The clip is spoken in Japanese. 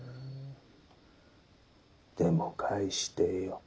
でも返してよッ。